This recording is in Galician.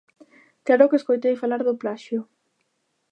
_Claro que escoitei falar do plaxio.